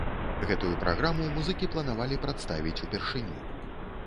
Гэтую праграму музыкі планавалі прадставіць упершыню.